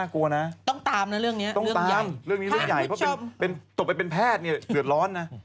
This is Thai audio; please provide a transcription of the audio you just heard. เกือบร้อนนะ